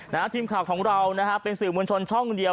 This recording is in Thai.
นะฮะทีมข่าวของเรานะฮะเป็นสื่อมวลชนช่องเดียว